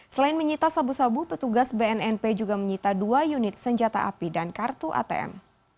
selain menyita sabu sabu petugas bnnp juga menyita dua unit senjata api dan kartu atm